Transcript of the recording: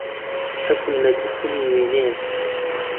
حەزم لە گرتنی وێنەیە.